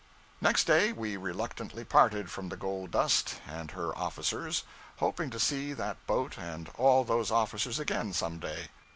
Next day we reluctantly parted from the 'Gold Dust' and her officers, hoping to see that boat and all those officers again, some day.